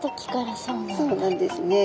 そうなんですね。